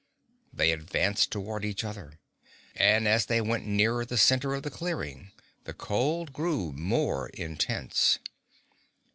They advanced toward each other, and as they went nearer the center of the clearing the cold grew more intense.